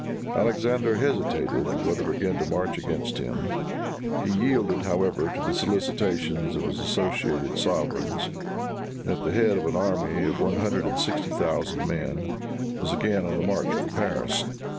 Alexander hesitated whether again to march against him. He yielded, however, to the solicitations of his associated sovereigns, and at the head of an army of one hundred and sixty thousand men, was again on the march for Paris.